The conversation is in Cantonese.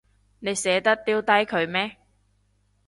你捨得掉低佢咩？